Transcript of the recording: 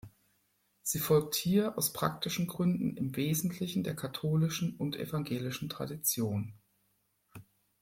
Sie folgt hier aus praktischen Gründen im Wesentlichen der katholischen und evangelischen Tradition.